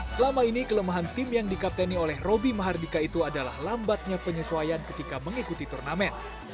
selama ini kelemahan tim yang dikapteni oleh robby mahardika itu adalah lambatnya penyesuaian ketika mengikuti turnamen